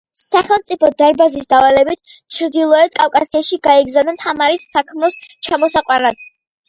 სახელმწიფო დარბაზის დავალებით ჩრდილოეთ კავკასიაში გაიგზავნა თამარის საქმროს ჩამოსაყვანად.